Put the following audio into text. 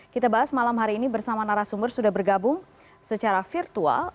kita bahas malam hari ini bersama narasumber sudah bergabung secara virtual